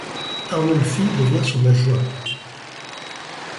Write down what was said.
Arnulphy devient son adjoint.